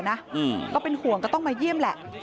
คนในครอบครัวนะก็เป็นห่วงก็ต้องมาเยี่ยมแหละ